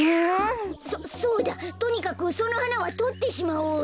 そそうだとにかくそのはなはとってしまおうよ。